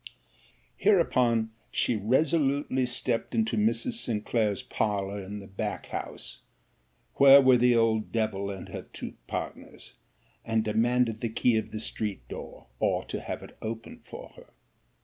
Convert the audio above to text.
'Hereupon she resolutely stept into Mrs. Sinclair's parlour in the back house; where were the old devil and her two partners; and demanded the key of the street door, or to have it opened for her.